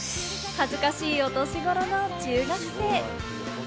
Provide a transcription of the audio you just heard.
恥ずかしいお年頃の中学生。